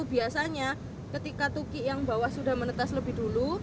biasanya ketika tukik yang bawah sudah menetas lebih dulu